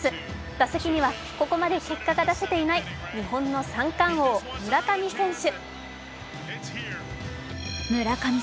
打席には、ここまで結果が出せていない日本の三冠王・村上選手。